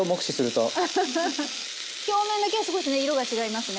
表面だけすごいですね色が違いますね。